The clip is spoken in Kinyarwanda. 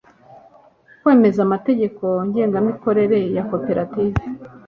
kwemeza amategeko ngengamikorere ya koperative